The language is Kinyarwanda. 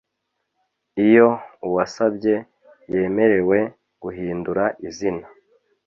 Iyo uwasabye yemerewe guhindura izina